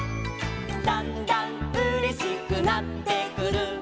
「だんだんうれしくなってくる」